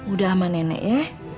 udah sama nenek ya